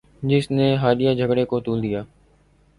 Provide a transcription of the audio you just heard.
جس نے حالیہ جھگڑے کو طول دیا